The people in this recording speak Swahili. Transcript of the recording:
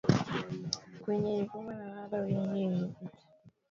Kenya ilikumbwa na uhaba wiki iliyopita